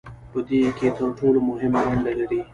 په دې کې تر ټولو مهمه ونډه لري